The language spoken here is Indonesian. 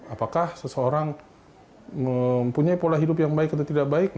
apakah seseorang mempunyai pola hidup yang baik atau tidak baik